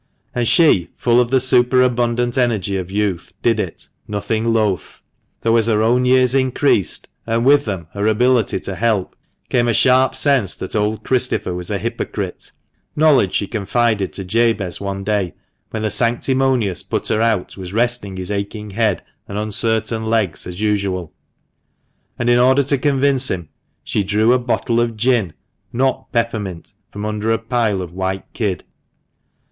And she, full of the superabundant energy of youth, did it, nothing loth ; though as her own years increased, and with them her ability to help, came a sharp sense that old Christopher was a hypocrite — knowledge she confided to Jabez one day, when the sanctimonious putter out was resting his aching head and uncertain legs, as usual ; and in order to convince him, she drew a bottle of gin, not peppermint, from under a pile of white kid.